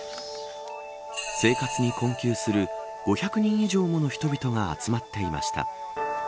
生活に困窮する５００人以上もの人々が集まっていました。